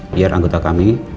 biar anggota kami